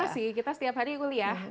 pasti kita setiap hari kuliah